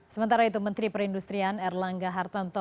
sementara itu menteri perindustrian erlangga hartanto